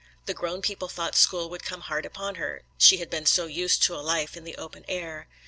The grown people thought school would come hard upon her, she had been so used to a life in the open air.